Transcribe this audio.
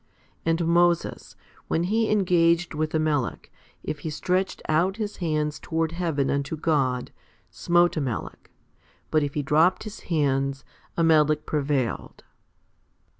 And Moses, when he engaged with Amalek, if he stretched out his hands towards heaven unto God, smote Amalek, but if he dropped his hands, Amalek prevailed.